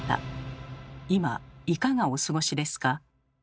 今いかがお過ごしですか？